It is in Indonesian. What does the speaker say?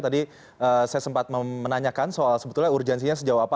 tadi saya sempat menanyakan soal sebetulnya urgensinya sejauh apa